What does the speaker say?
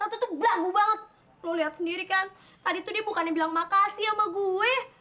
ratu itu bela gue banget lo liat sendiri kan tadi tuh dia bukannya bilang makasih ama gue